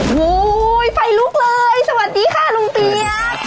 โอ้โหไฟลุกเลยสวัสดีค่ะลุงเปี๊ยก